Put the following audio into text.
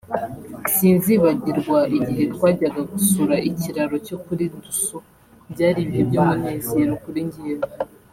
sinzibagirwa igihe twajyaga gusura ikiraro cyo kuri Ndusu byari ibihe by’umunezero kuri jyewe